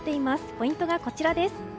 ポイントが、こちらです。